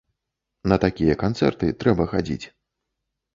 На такія канцэрты трэба хадзіць!